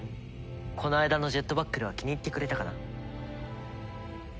この間のジェットバックルは気に入ってくれたかな？